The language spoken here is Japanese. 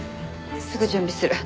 すぐ準備する。